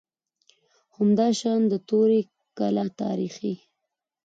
همداشان د توري کلا تاریخي